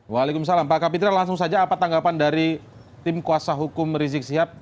waalaikumsalam pak kapitra langsung saja apa tanggapan dari tim kuasa hukum rizik sihab